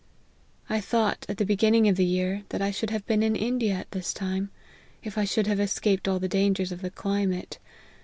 I thought, at the beginning of the year, that I should have been in India at this time, if I should have escaped all the dangers of the climate.